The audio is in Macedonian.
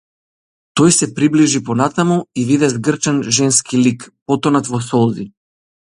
Тој се приближи понатаму и виде згрчен женски лик, потонат во солзи.